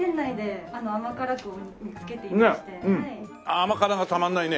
甘辛がたまらないね。